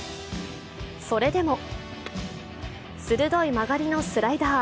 それでも鋭い曲がりのスライダー。